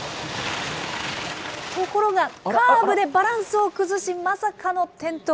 ところが、カーブでバランスを崩し、まさかの転倒。